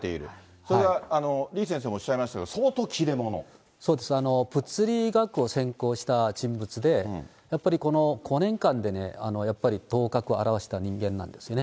それは李先生もおっしゃいました物理学を専攻した人物で、やっぱりこの５年間でね、やっぱり頭角を現した人間なんですよね。